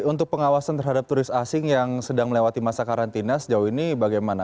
untuk pengawasan terhadap turis asing yang sedang melewati masa karantina sejauh ini bagaimana